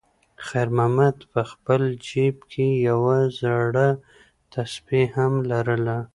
خیر محمد په خپل جېب کې یوه زړه تسبېح هم لرله.